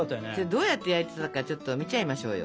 どうやって焼いてたのかちょっと見ちゃいましょうよ。